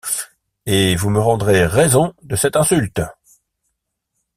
Et vous me rendrez raison de cette insulte.